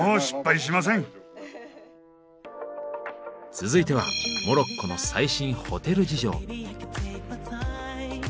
続いてはモロッコの最新ホテル事情。